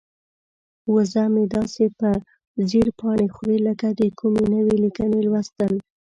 وزه مې داسې په ځیر پاڼې خوري لکه د کومې نوې لیکنې لوستل.